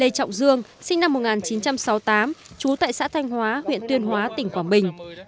lê trọng dương sinh năm một nghìn chín trăm sáu mươi tám trú tại xã thanh hóa huyện tuyên hóa tỉnh quảng bình